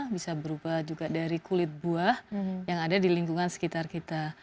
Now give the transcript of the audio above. bisa berubah juga dari kulit buah yang ada di lingkungan sekitar kita